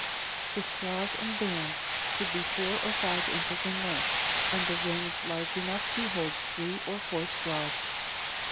The straws and bands should be four or five inches in length, and the rings large enough to hold three or four straws.